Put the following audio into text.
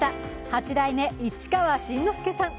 八代目市川新之助さん。